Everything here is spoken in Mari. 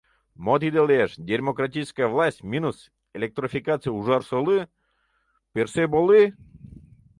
Мо тиде лиеш: дерьмократическая власть минус электрификация Ужарсолы — пӧрсӧ болы?